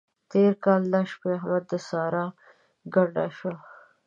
تېر کال دا شپې احمد د سارا ګنډه شو.